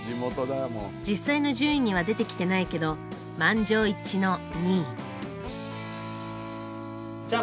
実際の順位には出てきてないけど満場一致の２位。